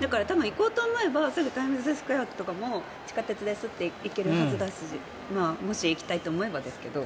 だから、多分行こうと思えばすぐにタイムズスクエアとかも地下鉄でスッと行けるはずだしもし行きたいと思えばですけど。